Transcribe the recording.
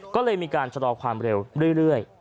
ก็เลยมีการชะลอความเร็วเรื่อย